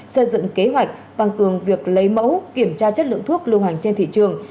xây dựng kế hoạch tăng cường việc lấy mẫu kiểm tra chất lượng thuốc lưu hành trên thị trường